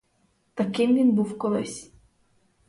Таким він був колись.